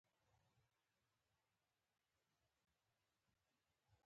د عبدالرؤف واسعي لقب ګل و.